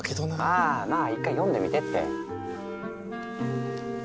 まあまあ１回読んでみてって。